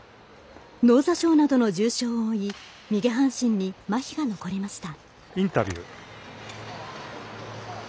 脳挫傷などの重傷を負い右半身にまひが残りました。